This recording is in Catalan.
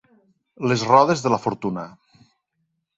Les rodes de la fortuna.